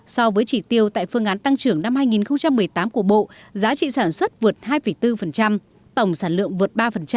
so với chỉ tiêu tại phương án tăng trưởng năm hai nghìn một mươi tám của bộ giá trị sản xuất vượt hai bốn tổng sản lượng vượt ba